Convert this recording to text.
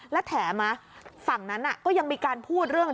และแถมฝั่งนั้นก็ยังมีการพูดเรื่อง